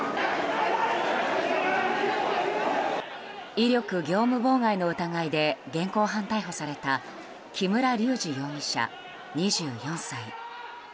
威力業務妨害の疑いで現行犯逮捕された木村隆二容疑者、２４歳。